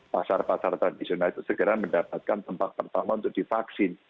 pasar pasar tradisional itu segera mendapatkan tempat pertama untuk divaksin